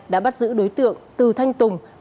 đã bắt giữ đối tượng từ thanh tùng